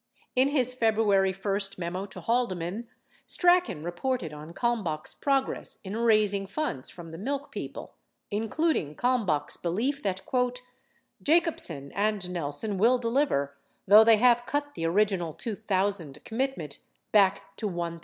In his February 1st memo to Haldeman, Strachan reported on Kalmbach's progress in raising funds from the milk people, in cluding Kalmbach's belief that, "Jacobsen and Nelson will deliver though they have cut the original 2000 commitment back to 1000."